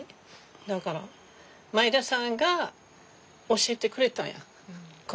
だから前田さんが教えてくれたやん。